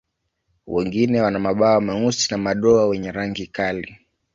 Wengine wana mabawa meusi na madoa wenye rangi kali.